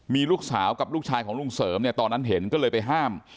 มีลูกสาวกับลูกชายของลุงเสริมเนี่ยตอนนั้นเห็นก็เลยไปห้าม